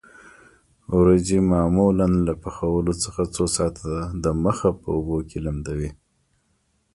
وریجې معمولاً له پخولو څخه څو ساعته د مخه په اوبو کې لمدوي.